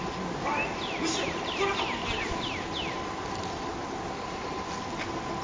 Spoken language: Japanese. はいむしろこっからが本題です！